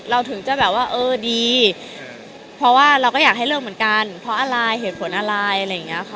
ถึงจะแบบว่าเออดีเพราะว่าเราก็อยากให้เลิกเหมือนกันเพราะอะไรเหตุผลอะไรอะไรอย่างนี้ค่ะ